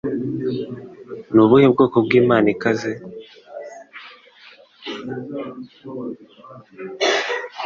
Ni ubuhe bwoko bwimana ikaze